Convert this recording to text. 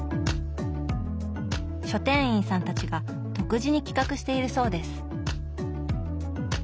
書店員さんたちが独自に企画しているそうです。